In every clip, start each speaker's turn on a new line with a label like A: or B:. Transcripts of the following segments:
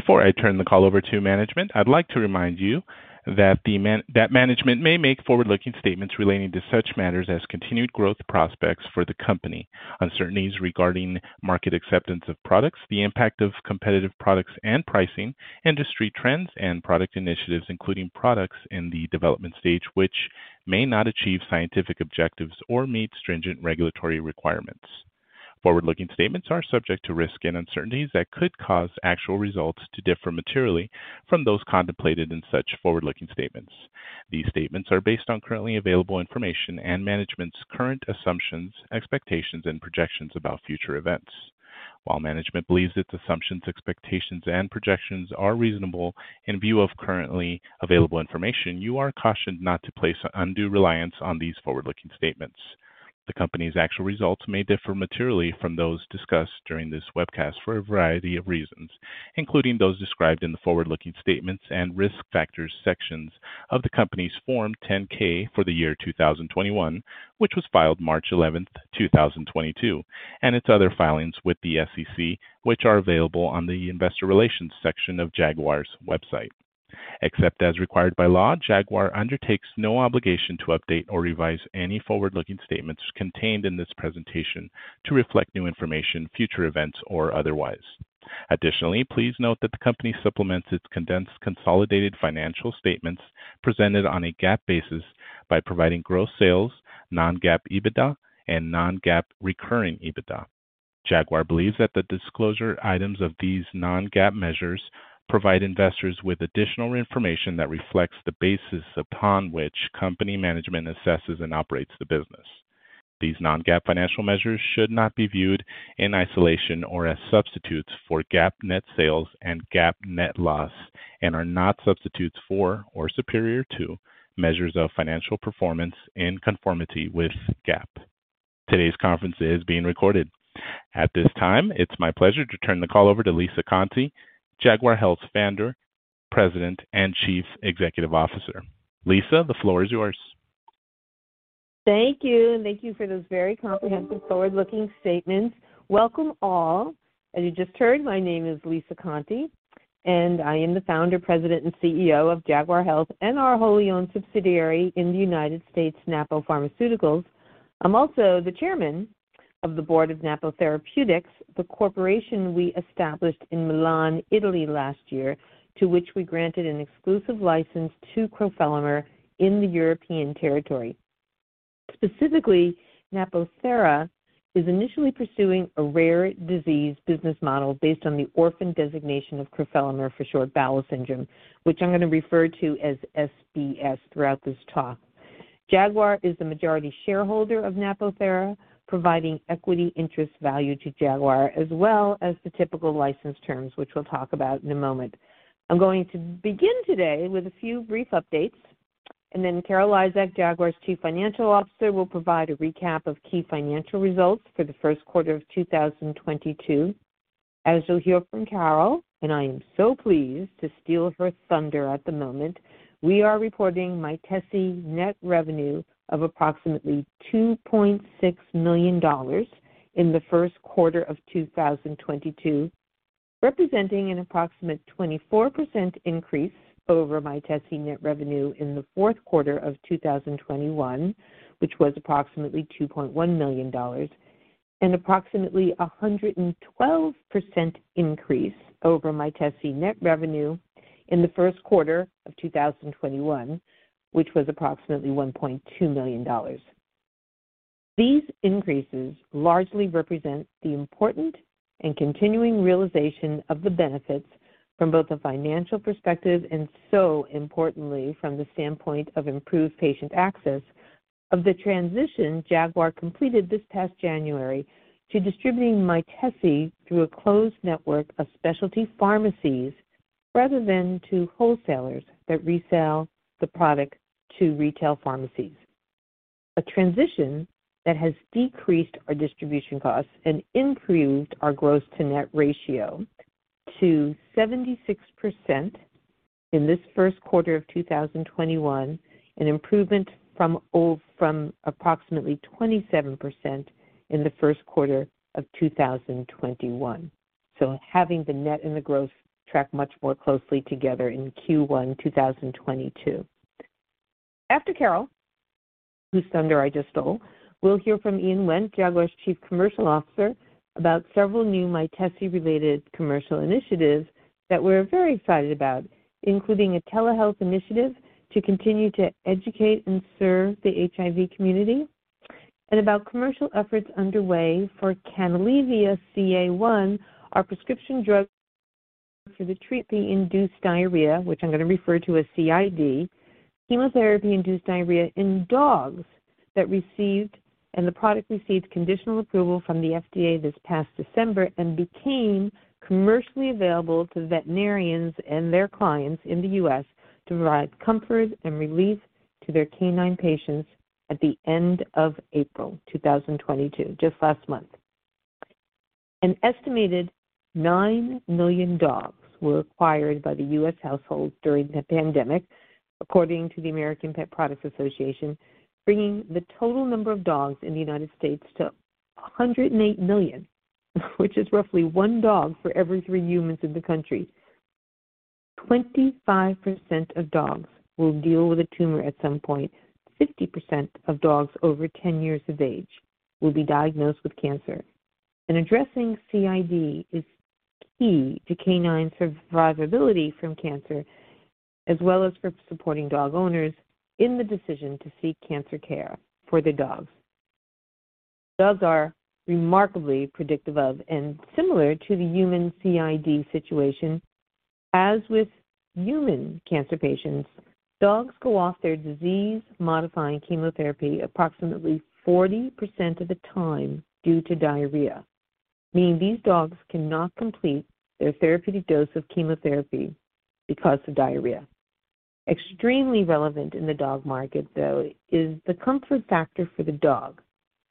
A: Before I turn the call over to management, I'd like to remind you that management may make forward-looking statements relating to such matters as continued growth prospects for the company, uncertainties regarding market acceptance of products, the impact of competitive products and pricing, industry trends and product initiatives, including products in the development stage, which may not achieve scientific objectives or meet stringent regulatory requirements. Forward-looking statements are subject to risks and uncertainties that could cause actual results to differ materially from those contemplated in such forward-looking statements. These statements are based on currently available information and management's current assumptions, expectations and projections about future events. While management believes its assumptions, expectations and projections are reasonable in view of currently available information, you are cautioned not to place undue reliance on these forward-looking statements. The company's actual results may differ materially from those discussed during this webcast for a variety of reasons, including those described in the forward-looking statements and Risk Factors sections of the company's Form 10-K for the year 2021, which was filed March 11th, 2022, and its other filings with the SEC, which are available on the Investor Relations section of Jaguar's website. Except as required by law, Jaguar undertakes no obligation to update or revise any forward-looking statements contained in this presentation to reflect new information, future events or otherwise. Additionally, please note that the company supplements its condensed consolidated financial statements presented on a GAAP basis by providing gross sales, non-GAAP EBITDA and non-GAAP recurring EBITDA. Jaguar believes that the disclosure items of these non-GAAP measures provide investors with additional information that reflects the basis upon which company management assesses and operates the business. These non-GAAP financial measures should not be viewed in isolation or as substitutes for GAAP net sales and GAAP net loss, and are not substitutes for or superior to measures of financial performance in conformity with GAAP. Today's conference is being recorded. At this time, it's my pleasure to turn the call over to Lisa Conte, Jaguar Health's Founder, President, and Chief Executive Officer. Lisa, the floor is yours.
B: Thank you. Thank you for those very comprehensive forward-looking statements. Welcome all. As you just heard, my name is Lisa Conte, and I am the Founder, President, and CEO of Jaguar Health and our wholly owned subsidiary in the United States, Napo Pharmaceuticals. I'm also the Chairman of the board of Napo Therapeutics, the corporation we established in Milan, Italy last year, to which we granted an exclusive license to crofelemer in the European territory. Specifically, Napo Therapeutics is initially pursuing a rare disease business model based on the orphan designation of crofelemer for Short Bowel Syndrome, which I'm going to refer to as SBS throughout this talk. Jaguar is the majority shareholder of Napo Therapeutics, providing equity interest value to Jaguar as well as the typical license terms, which we'll talk about in a moment. I'm going to begin today with a few brief updates, and then Carol Lizak, Jaguar's Chief Financial Officer, will provide a recap of key financial results for the first quarter of 2022. As you'll hear from Carol, and I am so pleased to steal her thunder at the moment, we are reporting Mytesi net revenue of approximately $2.6 million in the first quarter of 2022, representing an approximate 24% increase over Mytesi net revenue in the fourth quarter of 2021, which was approximately $2.1 million, and approximately a 112% increase over Mytesi net revenue in the first quarter of 2021, which was approximately $1.2 million. These increases largely represent the important and continuing realization of the benefits from both a financial perspective and so importantly, from the standpoint of improved patient access of the transition Jaguar completed this past January to distributing Mytesi through a closed network of specialty pharmacies rather than to wholesalers that resell the product to retail pharmacies. A transition that has decreased our distribution costs and improved our gross to net ratio to 76% in this first quarter of 2022, an improvement from approximately 27% in the first quarter of 2021. Having the net and the gross track much more closely together in Q1 2022. After Carol, whose thunder I just stole, we'll hear from Ian Wendt, Jaguar's Chief Commercial Officer, about several new Mytesi-related commercial initiatives that we're very excited about, including a telehealth initiative to continue to educate and serve the HIV community, and about commercial efforts underway for Canalevia-CA1, our prescription drug for the treatment of induced diarrhea, which I'm going to refer to as CID, chemotherapy-induced diarrhea in dogs. The product received conditional approval from the FDA this past December, and became commercially available to veterinarians and their clients in the U.S. to provide comfort and relief to their canine patients at the end of April 2022, just last month. An estimated 9 million dogs were acquired by the US households during the pandemic, according to the American Pet Products Association, bringing the total number of dogs in the United States to 108 million, which is roughly one dog for every three humans in the country. 25% of dogs will deal with a tumor at some point. 50% of dogs over 10 years of age will be diagnosed with cancer. Addressing CID is key to canine survivability from cancer, as well as for supporting dog owners in the decision to seek cancer care for their dogs. Dogs are remarkably predictive of and similar to the human CID situation. As with human cancer patients, dogs go off their disease-modifying chemotherapy approximately 40% of the time due to diarrhea, meaning these dogs cannot complete their therapeutic dose of chemotherapy because of diarrhea. Extremely relevant in the dog market, though, is the comfort factor for the dog,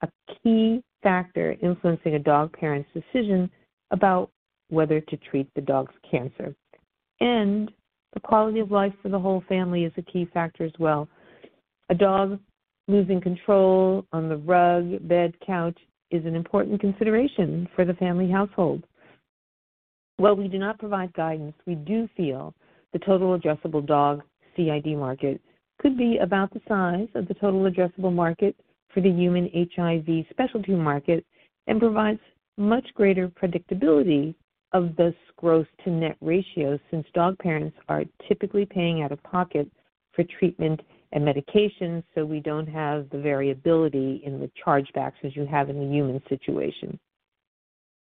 B: a key factor influencing a dog parent's decision about whether to treat the dog's cancer. The quality of life for the whole family is a key factor as well. A dog losing control on the rug, bed, couch is an important consideration for the family household. While we do not provide guidance, we do feel the total addressable dog CID market could be about the size of the total addressable market for the human HIV specialty market, and provides much greater predictability of this gross to net ratio since dog parents are typically paying out of pocket for treatment and medications, so we don't have the variability in the chargebacks as you have in the human situation.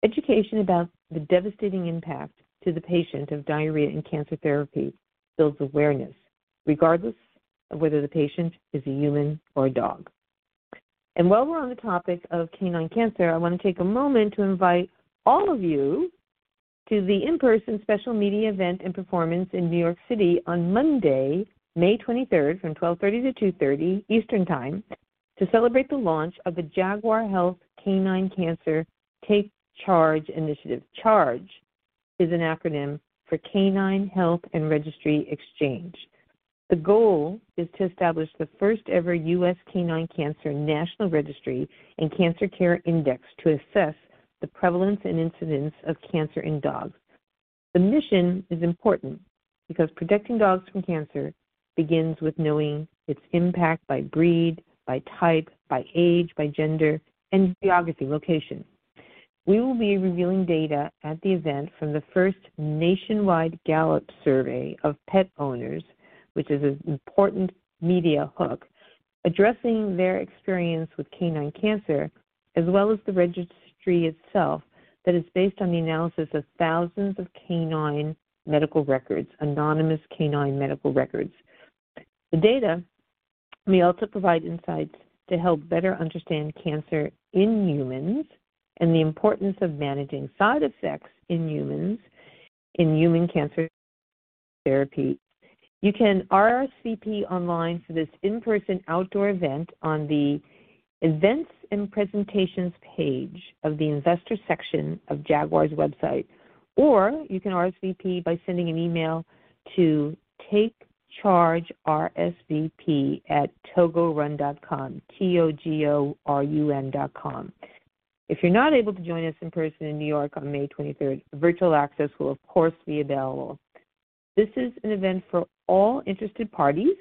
B: Education about the devastating impact to the patient of diarrhea and cancer therapy builds awareness regardless of whether the patient is a human or a dog. While we're on the topic of canine cancer, I wanna take a moment to invite all of you to the in-person special media event and performance in New York City on Monday, May 23rd, from 12:30 P.M. to 2:30 P.M. Eastern Time, to celebrate the launch of the Jaguar Health Canine Cancer Take CHARGE Initiative. CHARGE is an acronym for Canine Health and Registry Exchange. The goal is to establish the first-ever US canine cancer national registry and cancer care index to assess the prevalence and incidence of cancer in dogs. The mission is important because protecting dogs from cancer begins with knowing its impact by breed, by type, by age, by gender, and geography, location. We will be revealing data at the event from the first nationwide Gallup survey of pet owners, which is an important media hook, addressing their experience with canine cancer, as well as the registry itself that is based on the analysis of thousands of canine medical records, anonymous canine medical records. The data may also provide insights to help better understand cancer in humans and the importance of managing side effects in humans in human cancer therapy. You can RSVP online for this in-person outdoor event on the Events and Presentations page of the Investor section of Jaguar's website, or you can RSVP by sending an email to takechargersvp@togorun.com, T-O-G-O-R-U-N.com. If you're not able to join us in person in New York on May 23rd, virtual access will, of course, be available. This is an event for all interested parties,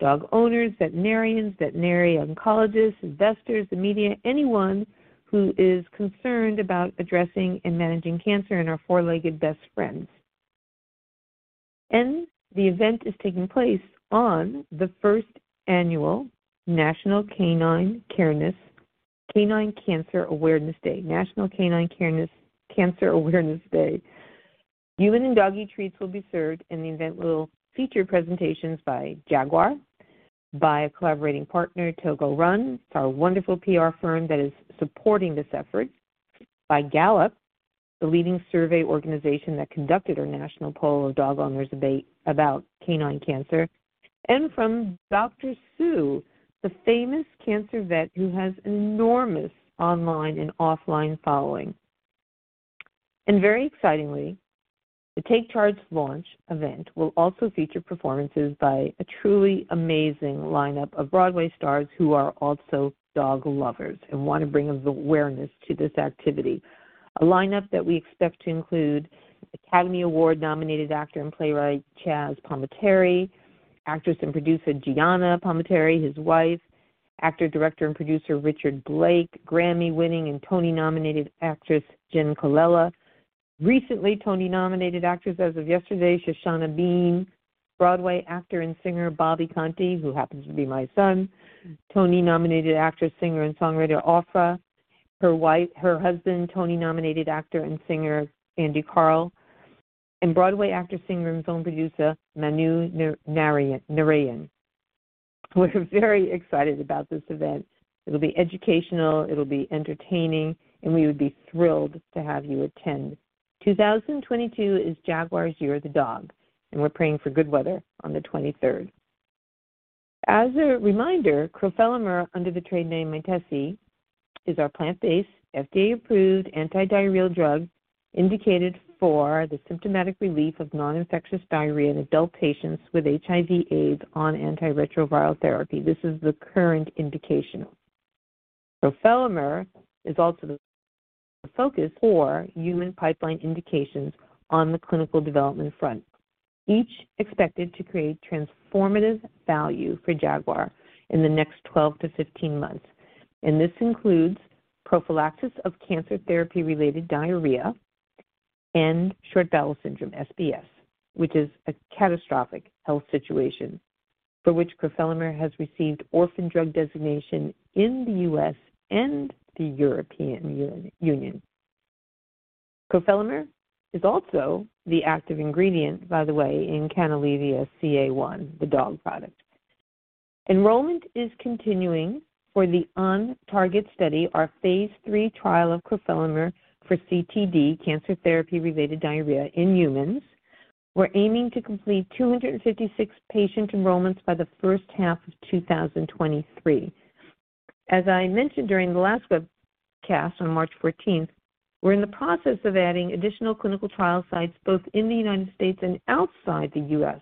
B: dog owners, veterinarians, veterinary oncologists, investors, the media, anyone who is concerned about addressing and managing cancer in our four-legged best friends. The event is taking place on the first annual National Canine Cancer Awareness Day. Human and doggy treats will be served, and the event will feature presentations by Jaguar, by a collaborating partner, TogoRun. It's our wonderful PR firm that is supporting this effort. By Gallup, the leading survey organization that conducted our national poll of dog owners about canine cancer. From Dr. Sue, the famous cancer vet who has enormous online and offline following. Very excitingly, the Take CHARGE launch event will also feature performances by a truly amazing lineup of Broadway stars who are also dog lovers and wanna bring awareness to this activity. A lineup that we expect to include Academy Award-nominated actor and playwright Chazz Palminteri, actress and producer Gianna Palminteri, his wife, actor, director, and producer Richard Blake, Grammy-winning and Tony-nominated actress Jenn Colella, recently Tony-nominated actress as of yesterday, Shoshana Bean, Broadway actor and singer Bobby Conte, who happens to be my son, Tony-nominated actress, singer, and songwriter Orfeh, her husband, Tony-nominated actor and singer Andy Karl, and Broadway actor, singer, and film producer Manu Narayan. We're very excited about this event. It'll be educational, it'll be entertaining, and we would be thrilled to have you attend. 2022 is Jaguar's Year of the Dog, and we're praying for good weather on the 23rd. As a reminder, crofelemer under the trade name Mytesi is our plant-based FDA-approved antidiarrheal drug indicated for the symptomatic relief of noninfectious diarrhea in adult patients with HIV/AIDS on antiretroviral therapy. This is the current indication. Crofelemer is also the focus for human pipeline indications on the clinical development front, each expected to create transformative value for Jaguar in the next 12-15 months. This includes prophylaxis of cancer therapy-related diarrhea and short bowel syndrome, SBS, which is a catastrophic health situation for which crofelemer has received orphan drug designation in the U.S. and the European Union. Crofelemer is also the active ingredient, by the way, in Canalevia-CA1, the dog product. Enrollment is continuing for the OnTarget study, our phase III trial of crofelemer for CTD, cancer therapy-related diarrhea, in humans. We're aiming to complete 256 patient enrollments by the first half of 2023. As I mentioned during the last webcast on March 14th, we're in the process of adding additional clinical trial sites both in the United States and outside the U.S.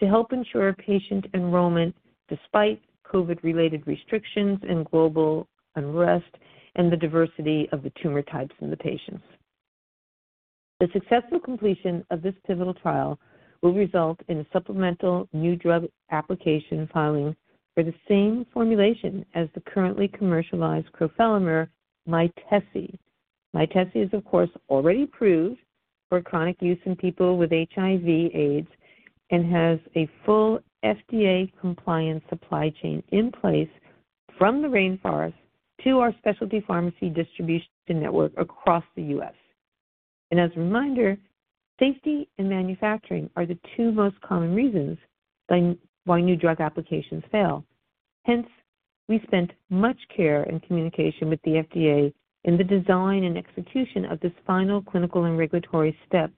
B: to help ensure patient enrollment despite COVID-related restrictions and global unrest and the diversity of the tumor types in the patients. The successful completion of this pivotal trial will result in a supplemental new drug application filing for the same formulation as the currently commercialized crofelemer Mytesi. Mytesi is of course already approved for chronic use in people with HIV/AIDS and has a full FDA-compliant supply chain in place from the rainforest to our specialty pharmacy distribution network across the U.S. As a reminder, safety and manufacturing are the two most common reasons why new drug applications fail. Hence, we spent much care and communication with the FDA in the design and execution of this final clinical and regulatory step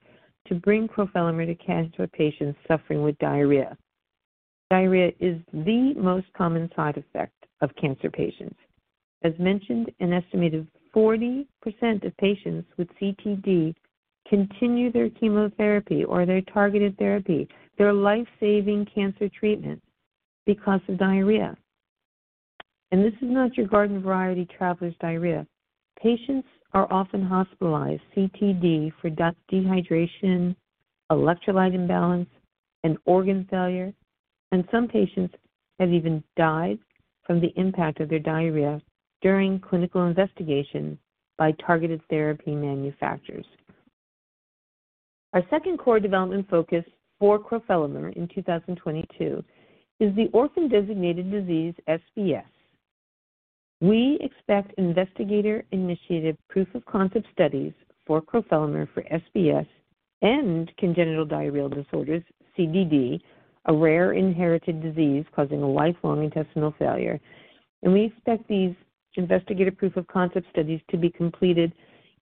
B: to bring crofelemer to cancer patients suffering with diarrhea. Diarrhea is the most common side effect in cancer patients. As mentioned, an estimated 40% of patients with CTD discontinue their chemotherapy or their targeted therapy, their life-saving cancer treatment because of diarrhea. This is not your garden variety traveler's diarrhea. Patients are often hospitalized for CTD, dehydration, electrolyte imbalance, and organ failure, and some patients have even died from the impact of their diarrhea during clinical investigation by targeted therapy manufacturers. Our second core development focus for crofelemer in 2022 is the orphan-designated disease SBS. We expect investigator-initiated proof-of-concept studies for crofelemer for SBS and congenital diarrheal disorders, CDD, a rare inherited disease causing a lifelong intestinal failure. We expect these investigative proof-of-concept studies to be completed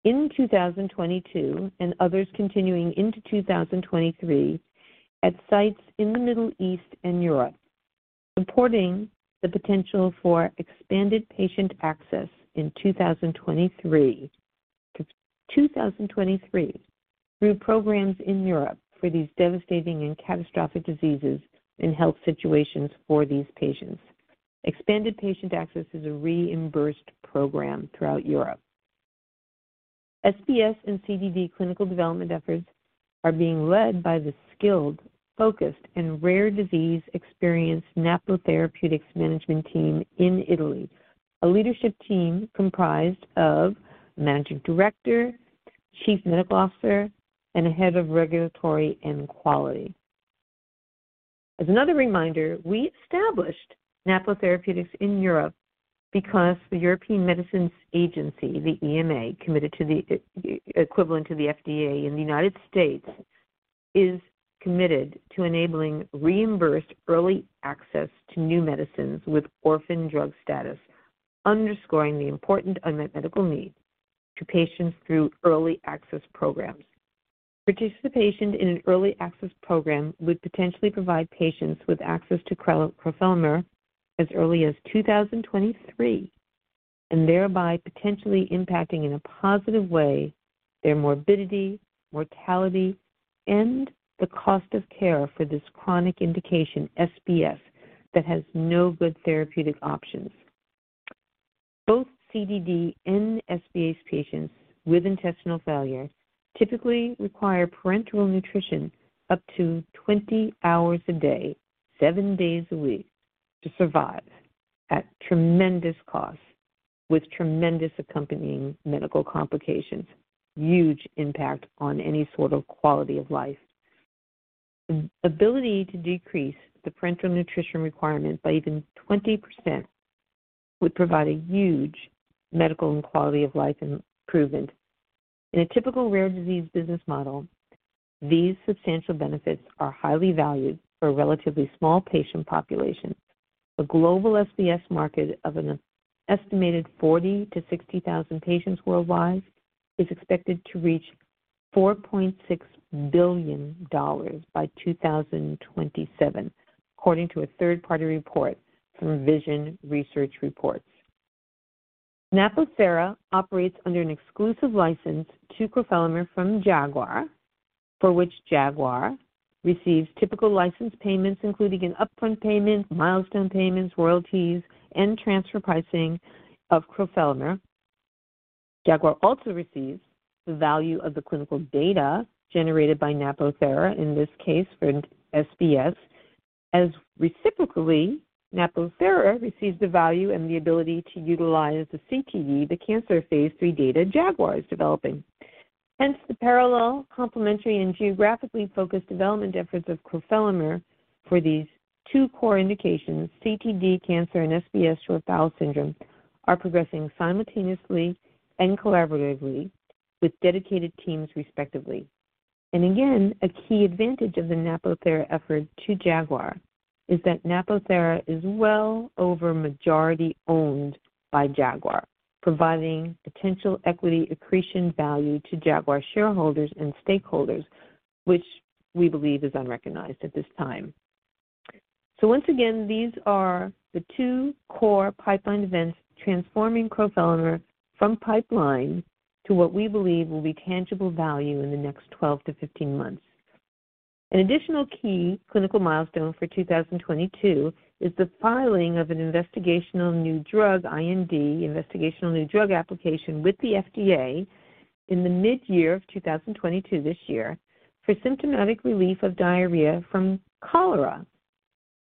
B: in 2022 and others continuing into 2023 at sites in the Middle East and Europe, supporting the potential for expanded patient access in 2023 through programs in Europe for these devastating and catastrophic diseases and health situations for these patients. Expanded patient access is a reimbursed program throughout Europe. SBS and CDD clinical development efforts are being led by the skilled, focused, and rare disease experienced Napo Therapeutics management team in Italy, a leadership team comprised of managing director, chief medical officer, and a head of regulatory and quality. As another reminder, we established Napo Therapeutics in Europe because the European Medicines Agency, the EMA, the equivalent to the FDA in the United States, is committed to enabling reimbursed early access to new medicines with orphan drug status, underscoring the important unmet medical need to patients through early access programs. Participation in an early access program would potentially provide patients with access to crofelemer as early as 2023, and thereby potentially impacting in a positive way their morbidity, mortality, and the cost of care for this chronic indication, SBS, that has no good therapeutic options. Both CDD and SBS patients with intestinal failure typically require parenteral nutrition up to 20 hours a day, seven days a week to survive at tremendous cost with tremendous accompanying medical complications. Huge impact on any sort of quality of life. Ability to decrease the parenteral nutrition requirement by even 20% would provide a huge medical and quality of life improvement. In a typical rare disease business model, these substantial benefits are highly valued for a relatively small patient population. The global SBS market of an estimated 40,000-60,000 patients worldwide is expected to reach $4.6 billion by 2027, according to a third-party report from Vision Research Reports. Napo Therapeutics operates under an exclusive license to crofelemer from Jaguar, for which Jaguar receives typical license payments, including an upfront payment, milestone payments, royalties, and transfer pricing of crofelemer. Jaguar also receives the value of the clinical data generated by Napo Therapeutics, in this case for SBS, as reciprocally, Napo Therapeutics receives the value and the ability to utilize the CTD, the cancer phase III data Jaguar is developing. Hence, the parallel, complementary, and geographically focused development efforts of crofelemer for these two core indications, CTD cancer and SBS, Short Bowel Syndrome, are progressing simultaneously and collaboratively with dedicated teams respectively. Again, a key advantage of the Napo Therapeutics effort to Jaguar is that Napo Therapeutics is well over majority owned by Jaguar, providing potential equity accretion value to Jaguar shareholders and stakeholders, which we believe is unrecognized at this time. Once again, these are the two core pipeline events transforming crofelemer from pipeline to what we believe will be tangible value in the next 12-15 months. An additional key clinical milestone for 2022 is the filing of an investigational new drug, IND, investigational new drug application with the FDA in the mid-year of 2022 this year for symptomatic relief of diarrhea from cholera.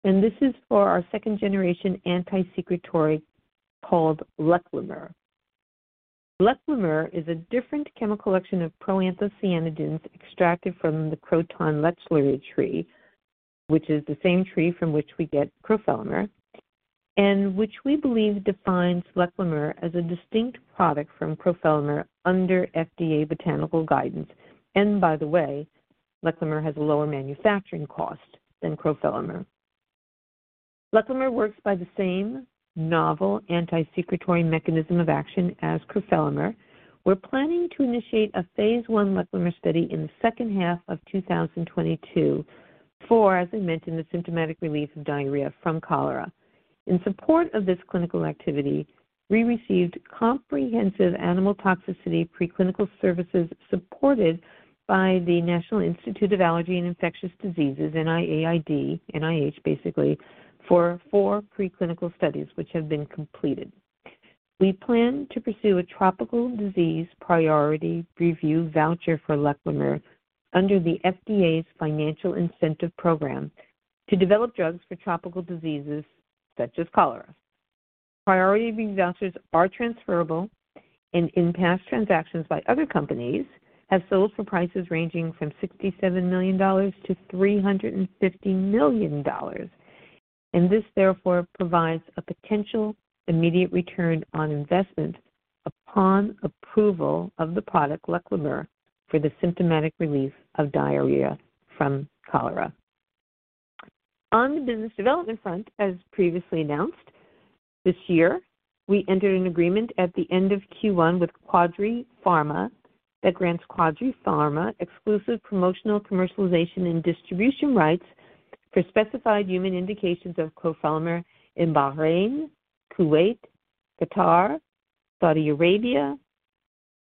B: This is for our second-generation anti-secretory called lechlemer. Lechlemer is a different chemical composition of proanthocyanidins extracted from the Croton lechleri tree, which is the same tree from which we get crofelemer, and which we believe defines lechlemer as a distinct product from crofelemer under FDA botanical guidance. By the way, lechlemer has a lower manufacturing cost than crofelemer. Lechlemer works by the same novel anti-secretory mechanism of action as crofelemer. We're planning to initiate a phase 1 lechlemer study in the second half of 2022 for, as I mentioned, the symptomatic relief of diarrhea from cholera. In support of this clinical activity, we received comprehensive animal toxicity preclinical services supported by the National Institute of Allergy and Infectious Diseases, NIAID, NIH basically, for four preclinical studies which have been completed. We plan to pursue a tropical disease priority review voucher for lechlemer under the FDA's Financial Incentive Program to develop drugs for tropical diseases such as cholera. Priority review vouchers are transferable and in past transactions by other companies have sold for prices ranging from $67 million-$350 million. This therefore provides a potential immediate return on investment upon approval of the product lechlemer for the symptomatic relief of diarrhea from cholera. On the business development front, as previously announced, this year, we entered an agreement at the end of Q1 with Quadri Pharma that grants Quadri Pharma exclusive promotional commercialization and distribution rights for specified human indications of crofelemer in Bahrain, Kuwait, Qatar, Saudi Arabia,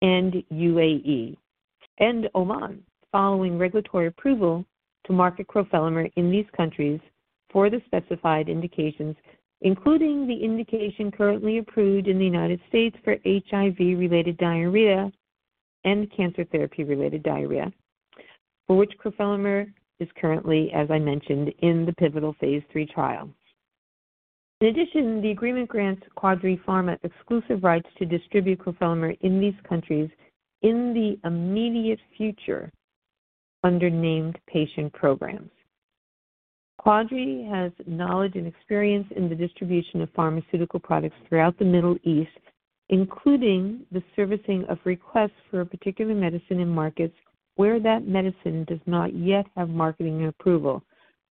B: and UAE, and Oman following regulatory approval to market crofelemer in these countries for the specified indications, including the indication currently approved in the United States for HIV-related diarrhea and cancer therapy-related diarrhea, for which crofelemer is currently, as I mentioned, in the pivotal phase III trial. In addition, the agreement grants Quadri Pharma exclusive rights to distribute crofelemer in these countries in the immediate future under named patient programs. Quadri has knowledge and experience in the distribution of pharmaceutical products throughout the Middle East, including the servicing of requests for a particular medicine in markets where that medicine does not yet have marketing approval,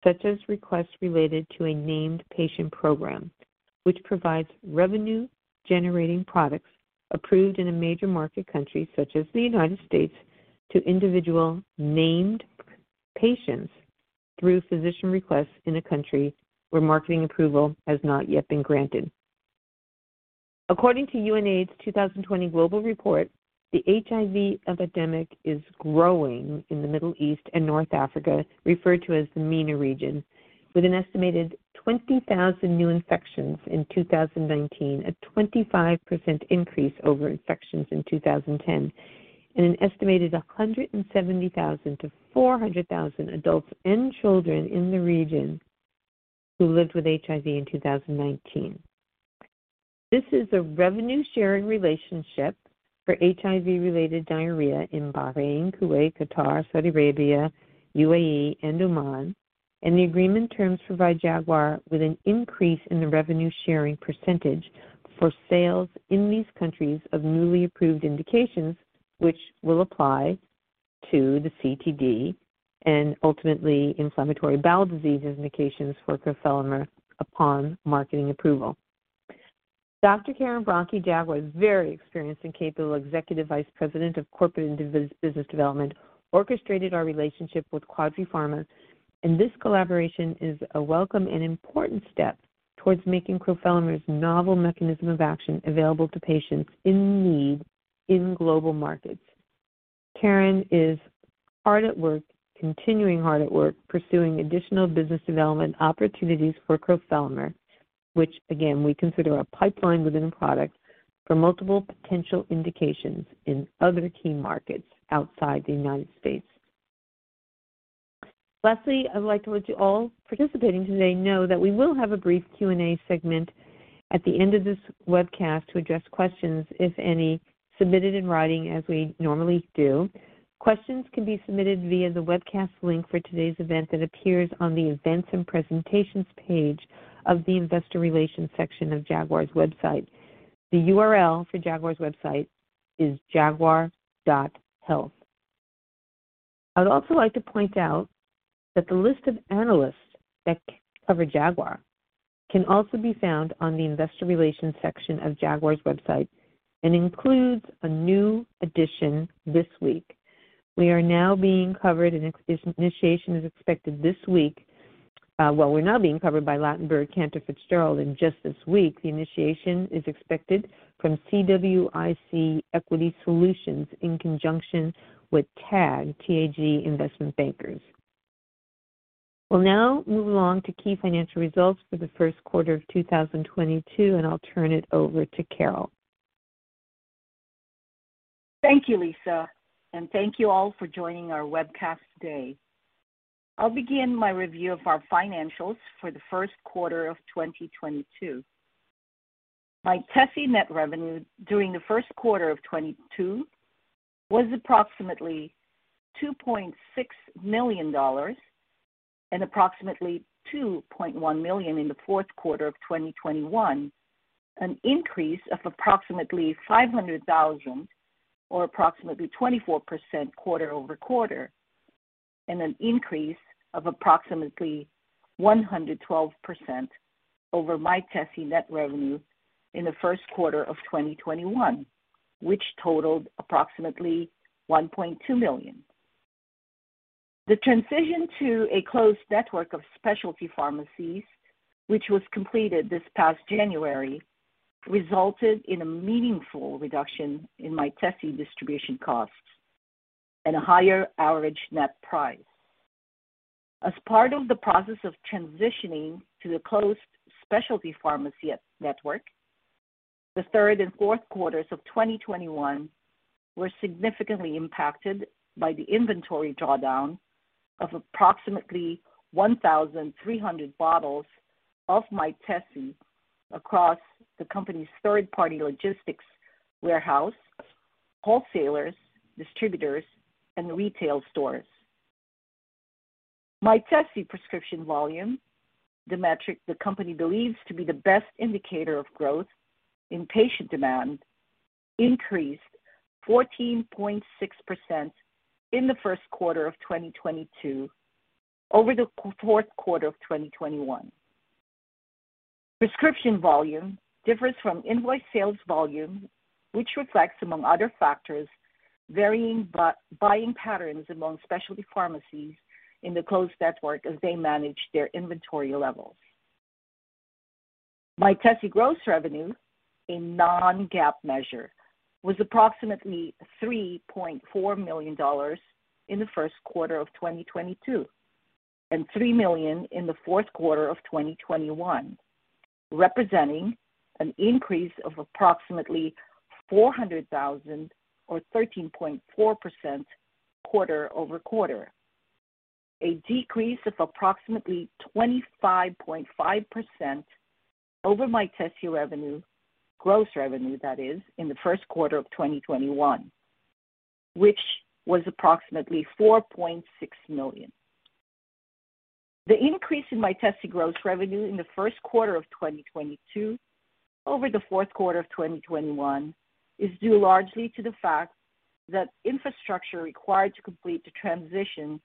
B: such as requests related to a named patient program, which provides revenue-generating products approved in a major market country such as the United States to individual named patients through physician requests in a country where marketing approval has not yet been granted. According to UNAIDS's 2020 Global Report, the HIV epidemic is growing in the Middle East and North Africa, referred to as the MENA region, with an estimated 20,000 new infections in 2019, a 25% increase over infections in 2010, and an estimated 170,000-400,000 adults and children in the region who lived with HIV in 2019. This is a revenue-sharing relationship for HIV-related diarrhea in Bahrain, Kuwait, Qatar, Saudi Arabia, UAE, and Oman, and the agreement terms provide Jaguar with an increase in the revenue-sharing percentage for sales in these countries of newly approved indications, which will apply to the CTD and ultimately inflammatory bowel disease indications for crofelemer upon marketing approval. Dr. Karen Brunke, Jaguar's very experienced and capable Executive Vice President of Corporate and Business Development, orchestrated our relationship with Quadri Pharma, and this collaboration is a welcome and important step towards making crofelemer's novel mechanism of action available to patients in need in global markets. Karen is hard at work pursuing additional business development opportunities for crofelemer, which again, we consider a pipeline within a product for multiple potential indications in other key markets outside the United States. Lastly, I would like to let you all participating today know that we will have a brief Q&A segment at the end of this webcast to address questions, if any, submitted in writing as we normally do. Questions can be submitted via the webcast link for today's event that appears on the Events and Presentations page of the Investor Relations section of Jaguar's website. The URL for Jaguar's website is jaguar.health. I'd also like to point out that the list of analysts that cover Jaguar can also be found on the Investor Relations section of Jaguar's website and includes a new addition this week. We are now being covered and coverage initiation is expected this week. We're now being covered by Ladenburg Thalmann, Cantor Fitzgerald, and just this week, the initiation is expected from CWIC Equity Solutions in conjunction with TAG Investment Bankers. We'll now move along to key financial results for the first quarter of 2022, and I'll turn it over to Carol.
C: Thank you, Lisa, and thank you all for joining our webcast today. I'll begin my review of our financials for the first quarter of 2022. Mytesi net revenue during the first quarter of 2022 was approximately $2.6 million and approximately $2.1 million in the fourth quarter of 2021, an increase of approximately $500,000 or approximately 24% quarter-over-quarter and an increase of approximately 112% over Mytesi net revenue in the first quarter of 2021, which totaled approximately $1.2 million. The transition to a closed network of specialty pharmacies, which was completed this past January, resulted in a meaningful reduction in Mytesi distribution costs and a higher average net price. As part of the process of transitioning to the closed specialty pharmacy network, the third and fourth quarters of 2021 were significantly impacted by the inventory drawdown of approximately 1,300 bottles of Mytesi across the company's third-party logistics warehouse, wholesalers, distributors, and retail stores. Mytesi prescription volume, the metric the company believes to be the best indicator of growth in patient demand, increased 14.6% in the first quarter of 2022 over the Q4 of 2021. Prescription volume differs from invoice sales volume, which reflects, among other factors, varying buying patterns among specialty pharmacies in the closed network as they manage their inventory levels. Mytesi gross revenue, a non-GAAP measure, was approximately $3.4 million in the first quarter of 2022 and $3 million in the fourth quarter of 2021, representing an increase of approximately $400 thousand or 13.4% quarter-over-quarter. It was a decrease of approximately 25.5% over Mytesi revenue, gross revenue that is, in the first quarter of 2021, which was approximately $4.6 million. The increase in Mytesi gross revenue in the first quarter of 2022 over the fourth quarter of 2021 is due largely to the fact that infrastructure required to complete the transition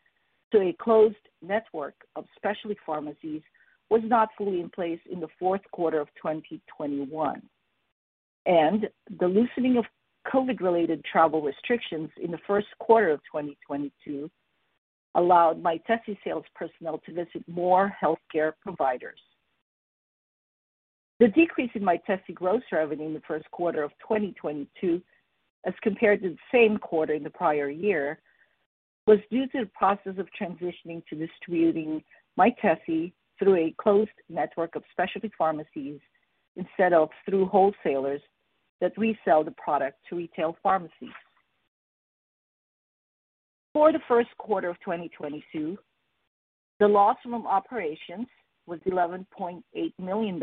C: to a closed network of specialty pharmacies was not fully in place in the fourth quarter of 2021. The loosening of COVID-related travel restrictions in the first quarter of 2022 allowed Mytesi sales personnel to visit more healthcare providers. The decrease in Mytesi gross revenue in the first quarter of 2022 as compared to the same quarter in the prior year was due to the process of transitioning to distributing Mytesi through a closed network of specialty pharmacies instead of through wholesalers that resell the product to retail pharmacies. For the first quarter of 2022, the loss from operations was $11.8 million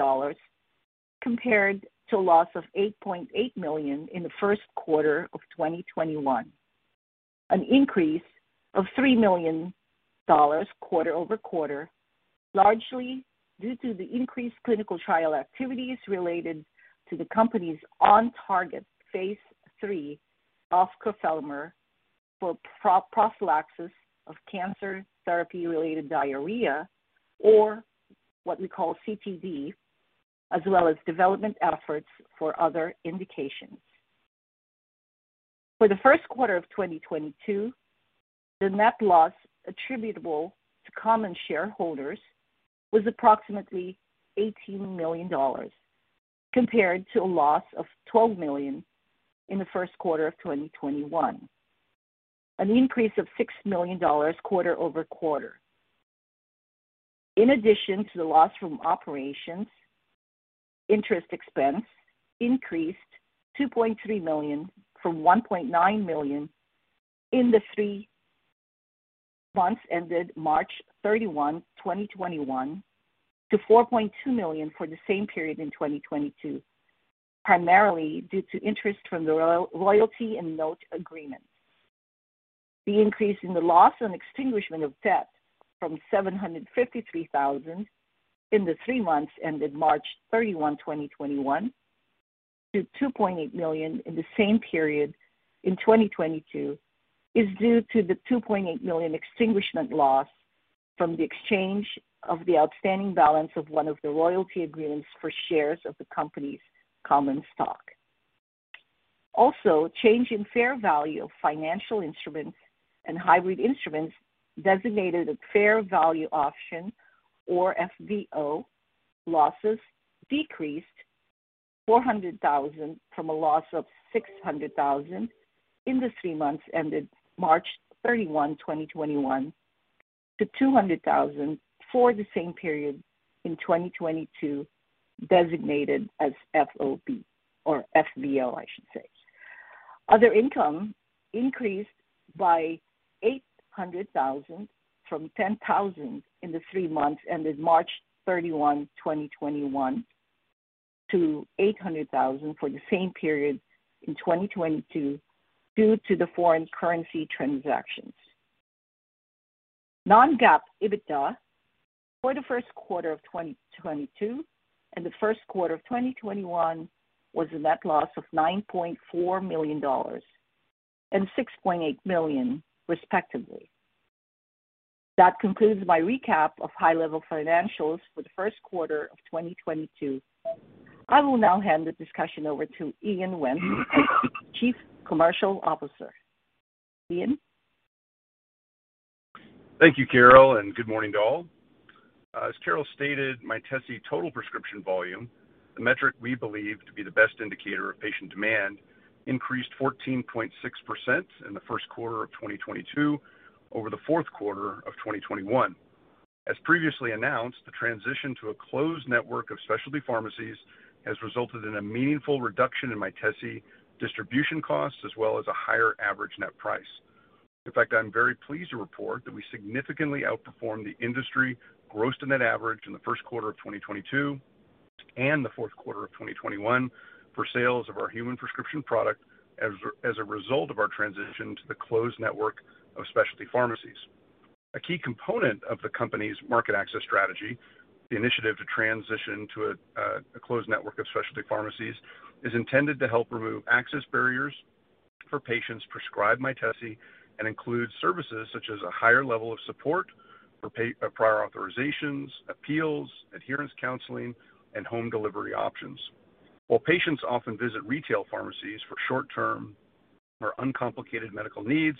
C: compared to a loss of $8.8 million in the first quarter of 2021. An increase of $3 million quarter-over-quarter, largely due to the increased clinical trial activities related to the company's OnTarget phase III of crofelemer for prophylaxis of cancer therapy-related diarrhea, or what we call CTD, as well as development efforts for other indications. For the first quarter of 2022, the net loss attributable to common shareholders was approximately $18 million compared to a loss of $12 million in the first quarter of 2021. An increase of $6 million quarter-over-quarter. In addition to the loss from operations, interest expense increased $2.3 million from $1.9 million in the three months ended March 31, 2021 to $4.2 million for the same period in 2022, primarily due to interest from the royalty and note agreement. The increase in the loss on extinguishment of debt from $753,000 in the three months ended March 31, 2021 to $2.8 million in the same period in 2022 is due to the $2.8 million extinguishment loss from the exchange of the outstanding balance of one of the royalty agreements for shares of the company's common stock. Change in fair value of financial instruments and hybrid instruments designated as fair value option, or FVO. Losses decreased $400,000 from a loss of $600,000 in the three months ended March 31, 2021 to $200,000 for the same period in 2022, designated as FVO, I should say. Other income increased by $800,000 from $10,000 in the three months ended March 31, 2021 to $800,000 for the same period in 2022 due to the foreign currency transactions. Non-GAAP EBITDA for the first quarter of 2022 and the first quarter of 2021 was a net loss of $9.4 million and $6.8 million, respectively. That concludes my recap of high-level financials for the first quarter of 2022. I will now hand the discussion over to Ian Wendt, Chief Commercial Officer. Ian.
D: Thank you, Carol, and good morning to all. As Carol stated, Mytesi total prescription volume, the metric we believe to be the best indicator of patient demand, increased 14.6% in the first quarter of 2022 over the fourth quarter of 2021. As previously announced, the transition to a closed network of specialty pharmacies has resulted in a meaningful reduction in Mytesi distribution costs as well as a higher average net price. In fact, I'm very pleased to report that we significantly outperformed the industry gross to net average in the first quarter of 2022 and the fourth quarter of 2021 for sales of our human prescription product as a result of our transition to the closed network of specialty pharmacies. A key component of the company's market access strategy, the initiative to transition to a closed network of specialty pharmacies, is intended to help remove access barriers for patients prescribed Mytesi and includes services such as a higher level of support for prior authorizations, appeals, adherence counseling, and home delivery options. While patients often visit retail pharmacies for short-term or uncomplicated medical needs,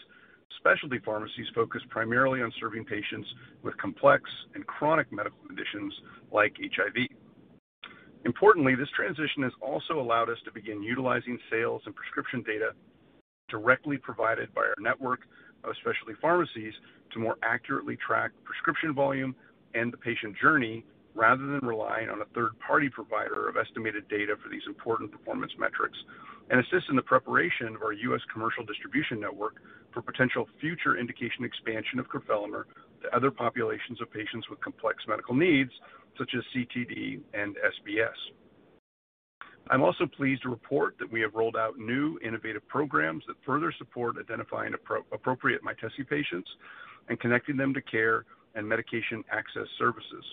D: specialty pharmacies focus primarily on serving patients with complex and chronic medical conditions, like HIV. Importantly, this transition has also allowed us to begin utilizing sales and prescription data directly provided by our network of specialty pharmacies to more accurately track prescription volume and the patient journey, rather than relying on a third-party provider of estimated data for these important performance metrics, and assist in the preparation of our US commercial distribution network for potential future indication expansion of crofelemer to other populations of patients with complex medical needs, such as CTD and SBS. I'm also pleased to report that we have rolled out new innovative programs that further support identifying appropriate Mytesi patients and connecting them to care and medication access services.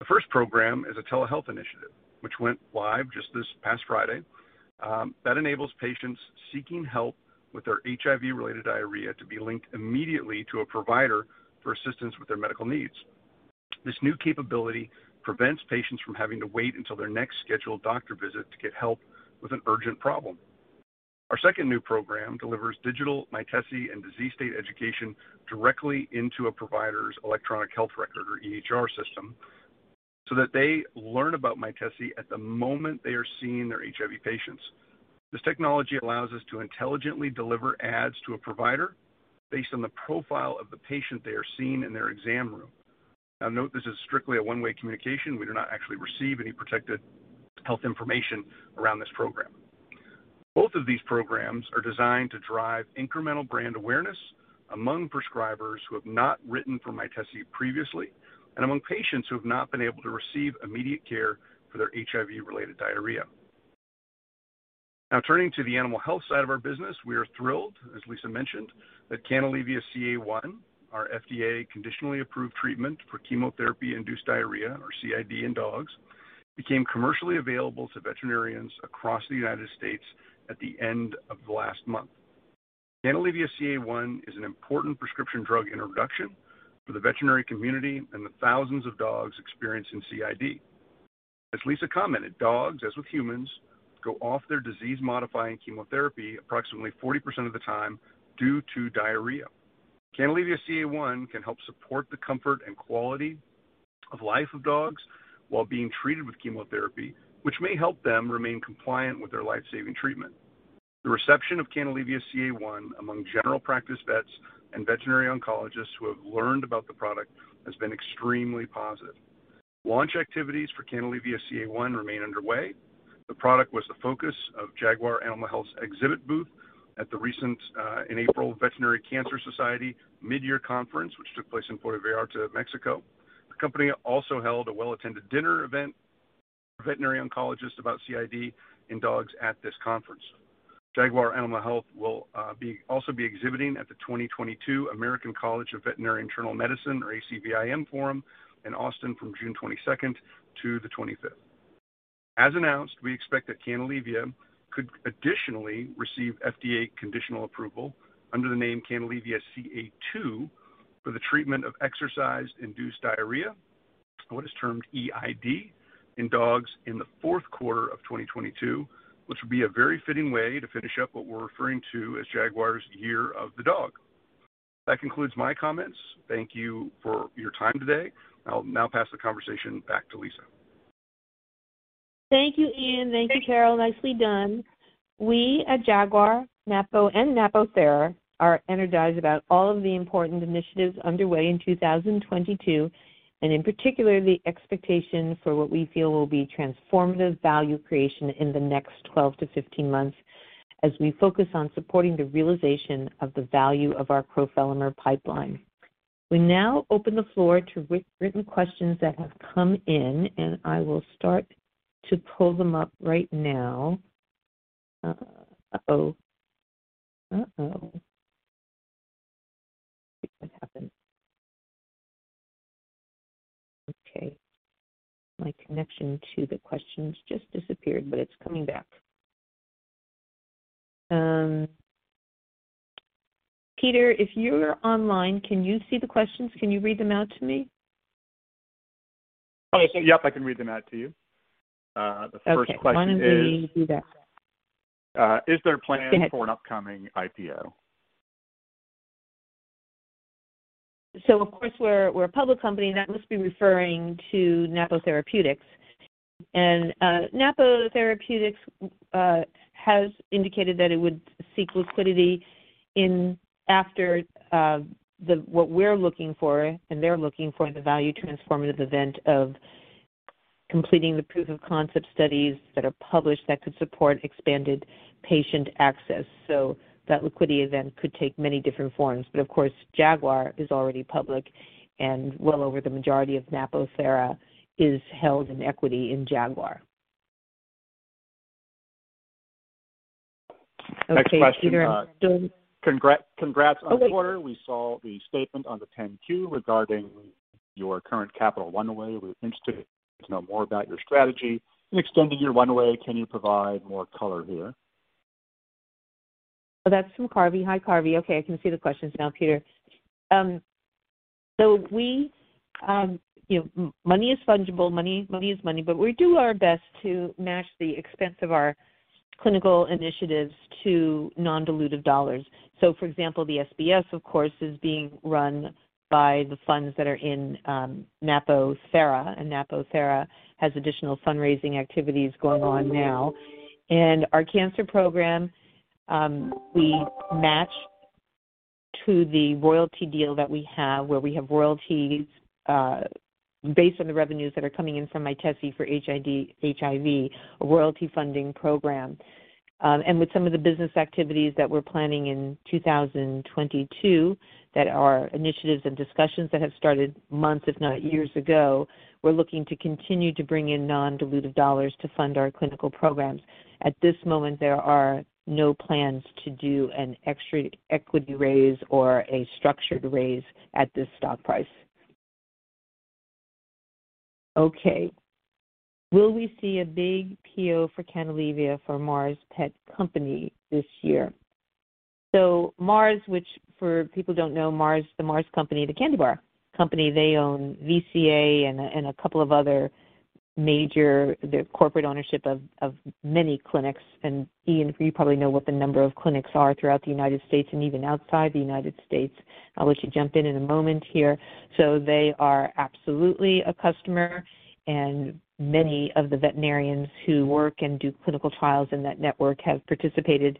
D: The first program is a telehealth initiative, which went live just this past Friday, that enables patients seeking help with their HIV-related diarrhea to be linked immediately to a provider for assistance with their medical needs. This new capability prevents patients from having to wait until their next scheduled doctor visit to get help with an urgent problem. Our second new program delivers digital Mytesi and disease state education directly into a provider's electronic health record, or EHR system, so that they learn about Mytesi at the moment they are seeing their HIV patients. This technology allows us to intelligently deliver ads to a provider based on the profile of the patient they are seeing in their exam room. Now note this is strictly a one-way communication. We do not actually receive any protected health information around this program. Both of these programs are designed to drive incremental brand awareness among prescribers who have not written for Mytesi previously, and among patients who have not been able to receive immediate care for their HIV-related diarrhea. Now turning to the animal health side of our business. We are thrilled, as Lisa mentioned, that Canalevia-CA1, our FDA conditionally approved treatment for chemotherapy-induced diarrhea or CID in dogs, became commercially available to veterinarians across the United States at the end of last month. Canalevia-CA1 is an important prescription drug introduction for the veterinary community and the thousands of dogs experiencing CID. As Lisa commented, dogs, as with humans, go off their disease-modifying chemotherapy approximately 40% of the time due to diarrhea. Canalevia-CA1 can help support the comfort and quality of life of dogs while being treated with chemotherapy, which may help them remain compliant with their life-saving treatment. The reception of Canalevia-CA1 among general practice vets and veterinary oncologists who have learned about the product has been extremely positive. Launch activities for Canalevia-CA1 remain underway. The product was the focus of Jaguar Animal Health's exhibit booth at the recent in April Veterinary Cancer Society mid-year conference, which took place in Puerto Vallarta, Mexico. The company also held a well-attended dinner event for veterinary oncologists about CID in dogs at this conference. Jaguar Animal Health will also be exhibiting at the 2022 American College of Veterinary Internal Medicine or ACVIM forum in Austin from June 22nd to the 25th. As announced, we expect that Canalevia could additionally receive FDA conditional approval under the name Canalevia-CA2 for the treatment of exercise-induced diarrhea, what is termed EID, in dogs in the fourth quarter of 2022, which would be a very fitting way to finish up what we're referring to as Jaguar's year of the dog. That concludes my comments. Thank you for your time today. I'll now pass the conversation back to Lisa.
B: Thank you, Ian. Thank you, Carol. Nicely done. We at Jaguar, Napo, and Napo Therapeutics are energized about all of the important initiatives underway in 2022, and in particular, the expectation for what we feel will be transformative value creation in the next 12-15 months as we focus on supporting the realization of the value of our crofelemer pipeline. We now open the floor to written questions that have come in, and I will start to pull them up right now. What happened? Okay. My connection to the questions just disappeared, but it's coming back. Peter, if you're online, can you see the questions? Can you read them out to me?
E: Yep, I can read them out to you. The first question is.
B: Okay, why don't we do that.
E: Is there a plan for an upcoming IPO?
B: Of course, we're a public company, and that must be referring to Napo Therapeutics. Napo Therapeutics has indicated that it would seek liquidity after what we're looking for and they're looking for the value transformative event of completing the proof of concept studies that are published that could support expanded patient access. That liquidity event could take many different forms. Of course, Jaguar is already public and well over the majority of Napo Therapeutics is held in equity in Jaguar. Okay, Peter, I'm still-
E: Next question. Congrats on the quarter. We saw the statement on the 10-Q regarding your current capital runway. We're interested to know more about your strategy in extending your runway. Can you provide more color here?
B: That's from Carvey. Hi, Carvey. Okay, I can see the questions now, Peter. You know, money is fungible, money is money, but we do our best to match the expense of our clinical initiatives to non-dilutive dollars. For example, the SBS, of course, is being run by the funds that are in Napo Therapeutics, and Napo Therapeutics has additional fundraising activities going on now. Our cancer program, we match to the royalty deal that we have where we have royalties based on the revenues that are coming in from Mytesi for HIV, a royalty funding program. With some of the business activities that we're planning in 2022 that are initiatives and discussions that have started months, if not years ago, we're looking to continue to bring in non-dilutive dollars to fund our clinical programs. At this moment, there are no plans to do an extra equity raise or a structured raise at this stock price. Okay. Will we see a big PO for Canalevia for Mars Pet Company this year? Mars, which for people who don't know Mars, the Mars company, the candy bar company, they own VCA and a couple of other major. Their corporate ownership of many clinics. And Ian, you probably know what the number of clinics are throughout the United States and even outside the United States. I'll let you jump in a moment here. They are absolutely a customer, and many of the veterinarians who work and do clinical trials in that network have participated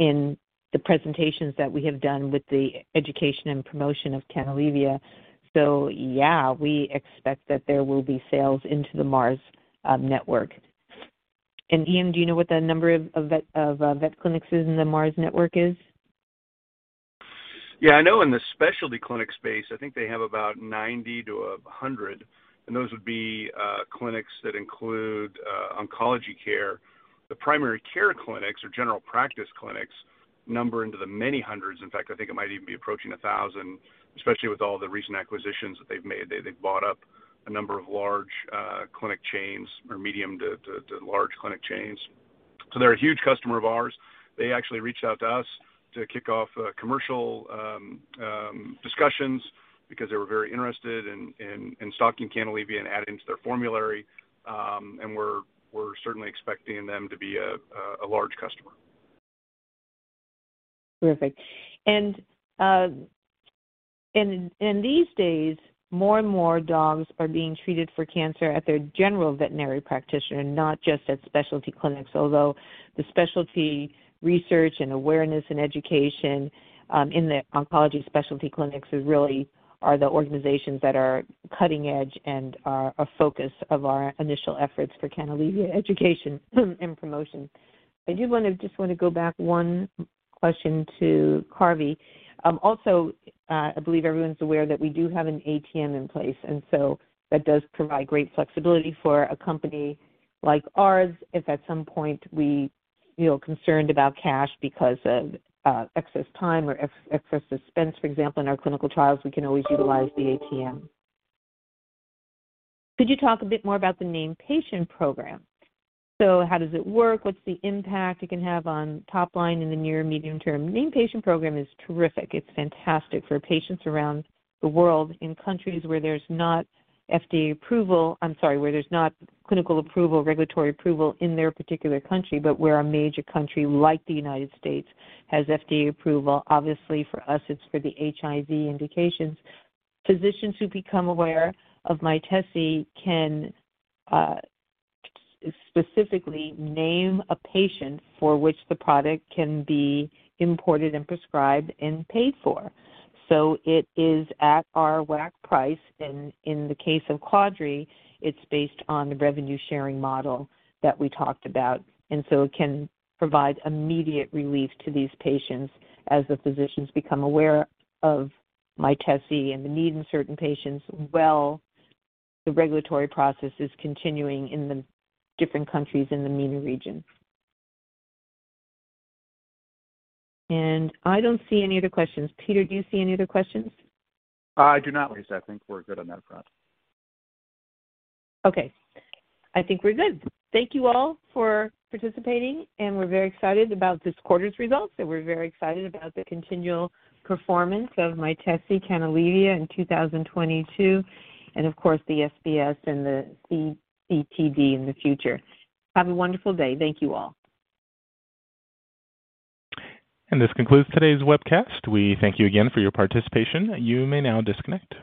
B: in the presentations that we have done with the education and promotion of Canalevia. Yeah, we expect that there will be sales into the Mars network. Ian, do you know what the number of vet clinics is in the Mars network?
D: Yeah, I know in the specialty clinic space, I think they have about 90-100, and those would be clinics that include oncology care. The primary care clinics or general practice clinics number into the many hundreds. In fact, I think it might even be approaching 1,000, especially with all the recent acquisitions that they've made. They've bought up a number of large clinic chains or medium to large clinic chains. So they're a huge customer of ours. They actually reached out to us to kick off commercial discussions because they were very interested in stocking Canalevia and adding it to their formulary. We're certainly expecting them to be a large customer.
B: Terrific. These days, more and more dogs are being treated for cancer at their general veterinary practitioner, not just at specialty clinics, although the specialty research and awareness and education in the oncology specialty clinics is really are the organizations that are cutting edge, and are a focus of our initial efforts for Canalevia education and promotion. I do wanna go back one question to Carvey. Also, I believe everyone's aware that we do have an ATM in place, and that does provide great flexibility for a company like ours if at some point we feel concerned about cash because of excess time or excess expense, for example, in our clinical trials, we can always utilize the ATM. Could you talk a bit more about the Named Patient program? How does it work? What's the impact it can have on top line in the near medium term? Named patient program is terrific. It's fantastic for patients around the world in countries where there's not clinical approval, regulatory approval in their particular country, but where a major country like the United States has FDA approval. Obviously, for us, it's for the HIV indications. Physicians who become aware of Mytesi can specifically name a patient for which the product can be imported and prescribed and paid for. It is at our WAC price, and in the case of Quadri, it's based on the revenue-sharing model that we talked about. It can provide immediate relief to these patients as the physicians become aware of Mytesi and the need in certain patients while the regulatory process is continuing in the different countries in the MENA region. I don't see any other questions. Peter, do you see any other questions?
E: I do not, Lisa. I think we're good on that front.
B: Okay. I think we're good. Thank you all for participating, and we're very excited about this quarter's results, and we're very excited about the continual performance of Mytesi, Canalevia in 2022, and of course, the SBS and the CTD in the future. Have a wonderful day. Thank you all.
A: This concludes today's webcast. We thank you again for your participation. You may now disconnect.